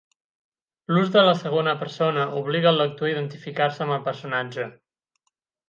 L'ús de la segona persona obliga el lector a identificar-se amb el personatge.